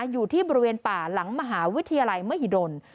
อยู่ที่บริเวณป่าหลังมหาวิทยาลัยมหิดล